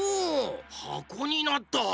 はこになった！